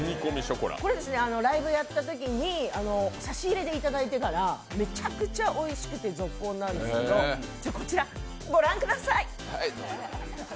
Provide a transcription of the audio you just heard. これ、ライブやったときに差し入れでいただいてからめちゃくちゃおいしくてゾッコンなんですけど、こちら、ご覧ください。